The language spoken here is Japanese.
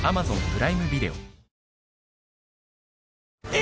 え！